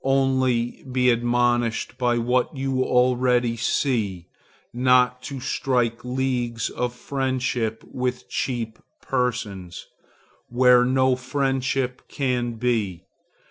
Only be admonished by what you already see, not to strike leagues of friendship with cheap persons, where no friendship can be.